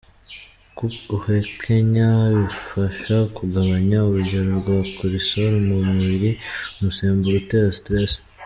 Uko uhekenya bifasha kugabanya urugero rwa cortisol mu mubiri, umusemburo utera stress.